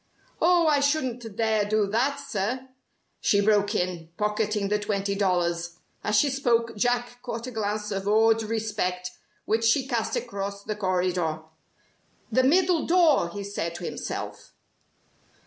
"Oh! I shouldn't dare do that, sir!" she broke in, pocketing the twenty dollars. As she spoke, Jack caught a glance of awed respect which she cast across the corridor. "The middle door," he said to himself.